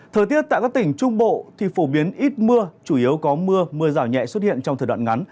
thời tiết tại các tỉnh trung bộ thì phổ biến ít mưa chủ yếu có mưa mưa rào nhẹ xuất hiện trong thời đoạn ngắn